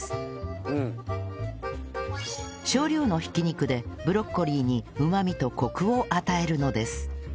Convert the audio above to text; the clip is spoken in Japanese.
少量の挽き肉でブロッコリーにうまみとコクを与えるのです